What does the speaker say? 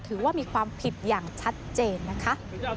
ถือว่ามีความผิดอย่างชัดเจนนะคะ